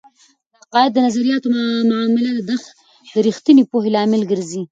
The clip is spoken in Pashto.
د عقائد او نظریاتو مطالعه د رښتینې پوهې لامل ګرځي.